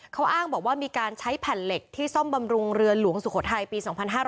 เขาอ้างบอกว่ามีการใช้แผ่นเหล็กที่ซ่อมบำรุงเรือหลวงสุโขทัยปี๒๕๕๙